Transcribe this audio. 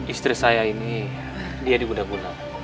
istri saya ini dia di gunaguna